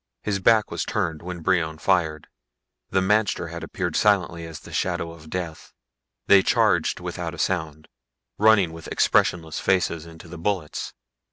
His back was turned when Brion fired. The magter had appeared silently as the shadow of death. They charged without a sound, running with expressionless faces into the bullets.